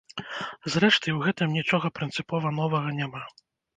Зрэшты, і ў гэтым нічога прынцыпова новага няма.